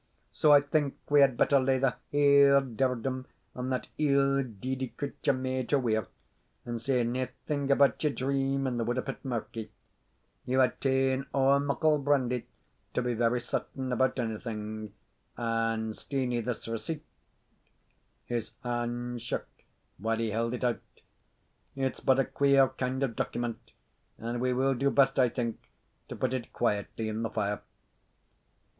So, I think, we had better lay the haill dirdum on that ill deedie creature, Major Weir, and say naething about your dream in the wood of Pitmurkie. You had taen ower muckle brandy to be very certain about onything; and, Steenie, this receipt" his hand shook while he held it out "it's but a queer kind of document, and we will do best, I think, to put it quietly in the fire."